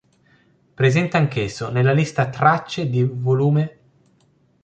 Presente anch'esso nella lista tracce di "Vol.